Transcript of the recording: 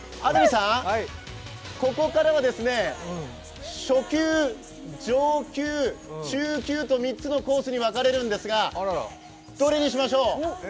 ここからが初級、上級、中級と３つのコースに分かれるんですがどれにしましょう？